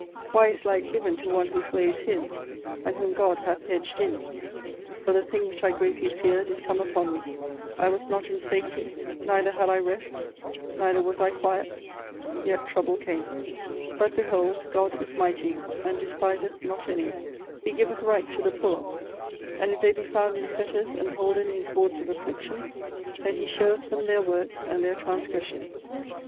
Why is light given to one whose way is hid; and whom God hath hedged in? For the thing which I greatly feared is come upon me! I was not in safety; neither had I rest; neither was I quiet; yet trouble came. But behold God is mighty, and despiseth not any. He giveth right to the poor and if they be found in fetters, and holden in cords of affliction, then he showeth them their works and their transgressions.